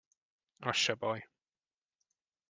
Az se baj.